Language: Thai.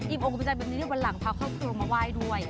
อิ่มองค์อิ่มใจเป็นที่วันหลังพาครอบครัวมาไหว้ด้วย